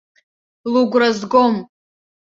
Лыгәра згом.